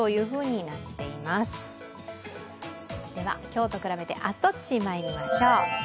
今日と比べて明日どっちまいりましょう。